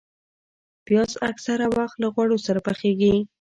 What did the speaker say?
پیاز اکثره وخت له غوړو سره پخېږي